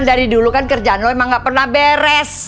dari dulu kan kerjaan lo emang gak pernah beres